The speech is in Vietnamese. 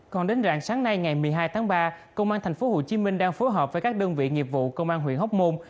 còn đến rạng sáng nay ngày một mươi hai tháng ba công an tp hcm đang phối hợp với các đơn vị nghiệp vụ công an huyện hóc môn